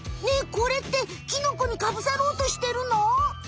ねえこれってキノコにかぶさろうとしてるの？